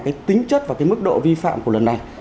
cái tính chất và cái mức độ vi phạm của lần này